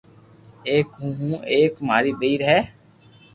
ايڪ ھون ھون ايڪ ماري ڀيئير ھي